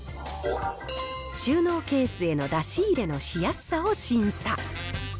収納ケースへの出し入れのしやすさを審査。